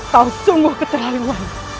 kau sungguh keterlaluan